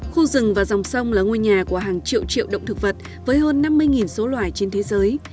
khu rừng và dòng sông là ngôi nhà của hàng triệu triệu động thực vật với hơn năm mươi số loài trên thế giới